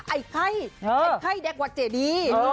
ไอ้ไข่เด็กวัดเจดี